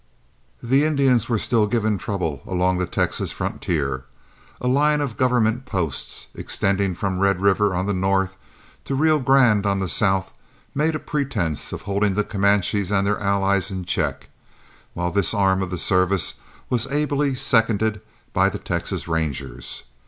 The Indians were still giving trouble along the Texas frontier. A line of government posts, extending from Red River on the north to the Rio Grande on the south, made a pretense of holding the Comanches and their allies in check, while this arm of the service was ably seconded by the Texas Rangers.